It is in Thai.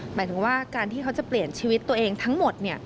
หมายถึงว่าการที่เขาจะเปลี่ยนชีวิตตัวเองทั้งหมด